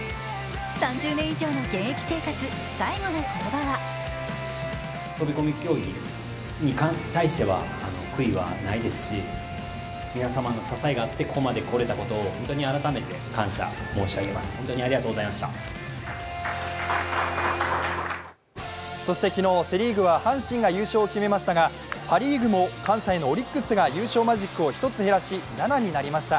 ３０年以上の現役生活、最後の言葉はそして昨日セ・リーグは阪神が優勝を決めましたがパ・リーグも関西のオリックスが優勝マジックを１つ減らし７になりました。